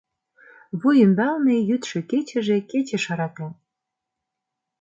Вуй ӱмбалне йӱдшӧ-кечыже кече шыратен.